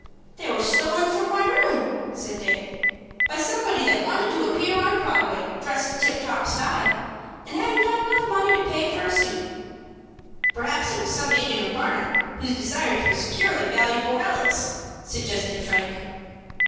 "They were stolen from my room," said Dick, "by somebody that wanted to appear on Broadway dressed in tip top style, and hadn't got money enough to pay for a suit." "Perhaps it was some agent of Barnum who desired to secure the valuable relics," suggested Frank.